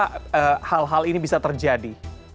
bagaimana hal hal ini bisa terjadi